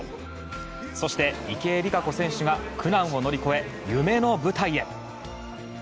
そして、池江璃花子選手が苦難を乗り越え、夢の舞台へ。